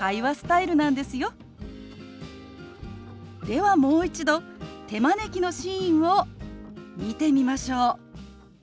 ではもう一度手招きのシーンを見てみましょう。